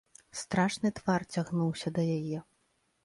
Страшны твар цягнуўся да яе.